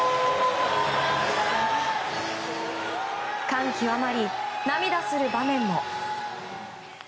感極まり涙する場面も。